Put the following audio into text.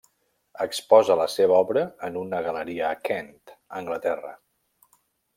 Exposa la seva obra en una galeria a Kent, Anglaterra.